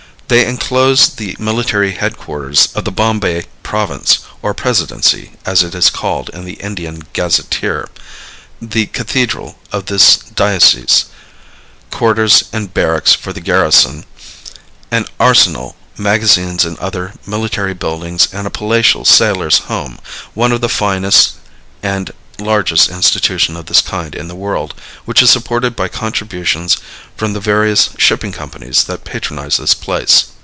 They inclose the military headquarters of the Bombay province, or Presidency, as it is called in the Indian gazetteer, the cathedral of this diocese, quarters and barracks for the garrison, an arsenal, magazines and other military buildings and a palatial sailors' home, one of the finest and largest institution of the kind in the world, which is supported by contributions from the various shipping companies that patronize this place.